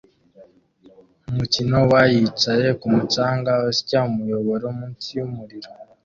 Umukino wa yicaye kumu canga usya umuyoboro munsi yumuriro